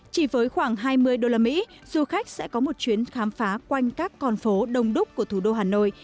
chỉ với khoảng hai mươi đô la mỹ du khách sẽ có một chuyến khám phá quanh các con phố đông đúc của thủ đô hà nội